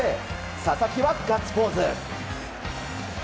佐々木はガッツポーズ！